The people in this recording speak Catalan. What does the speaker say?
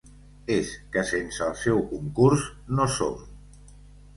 És que sense el seu concurs no som.